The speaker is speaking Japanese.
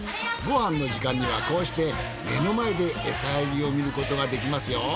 ごはんの時間にはこうして目の前でエサやりを見ることができますよ。